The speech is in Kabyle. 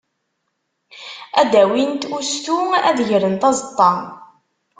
Ad d-awint ustu, ad grent aẓeṭṭa.